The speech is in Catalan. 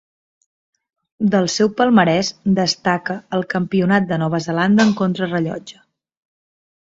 Del seu palmarès destaca el Campionat de Nova Zelanda en contrarellotge.